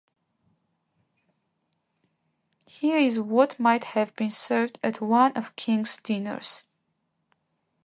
Here is what might have been served at one of King's dinners.